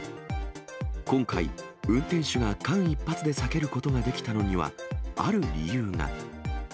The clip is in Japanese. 今回、運転手が間一髪で避けることができたのにはある理由が。